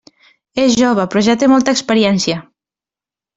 És jove, però ja té molta experiència.